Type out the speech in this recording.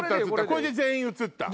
これで全員映った。